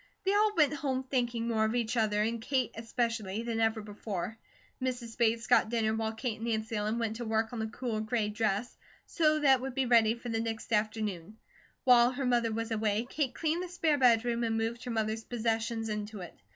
They all went home thinking more of each other, and Kate especially, than ever before. Mrs. Bates got dinner while Kate and Nancy Ellen went to work on the cool gray dress, so that it would be ready for the next afternoon. While her mother was away Kate cleaned the spare bedroom and moved her mother's possessions into it.